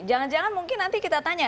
jangan jangan mungkin nanti kita tanya